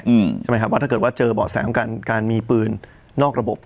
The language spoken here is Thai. ใช่ไหมครับว่าถ้าเกิดว่าเจอเบาะแสของการการมีปืนนอกระบบ